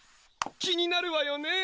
気になるわよね